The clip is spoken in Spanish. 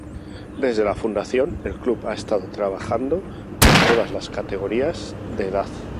Desde la fundación, el club ha estado trabajando con todas las categorías de edad.